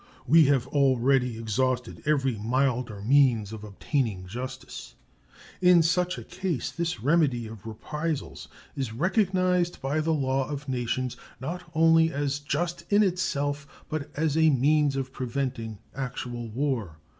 We have already exhausted every milder means of obtaining justice. In such a case this remedy of reprisals is recognized by the law of nations, not only as just in itself, but as a means of preventing actual war.